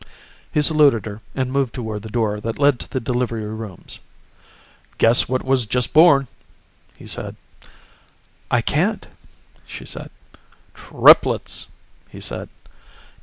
He saluted her and moved toward the door that led to the delivery rooms. "Guess what was just born," he said. "I can't," she said. "Triplets!" he said.